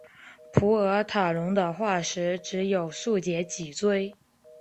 普尔塔龙的化石只有数节脊椎。